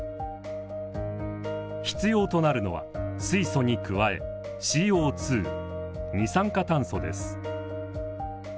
必要となるのは水素に加えＣＯ二酸化炭素です。